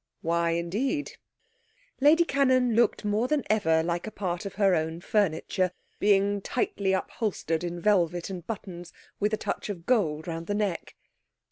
'Why, indeed?' Lady Cannon looked more than ever like a part of her own furniture, being tightly upholstered in velvet and buttons, with a touch of gold round the neck.